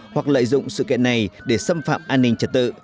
hoặc lợi dụng sự kiện này để xâm phạm an ninh trật tự